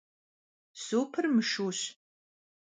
Супыр мышущ.